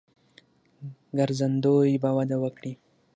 ګرځندوی به وده وکړي.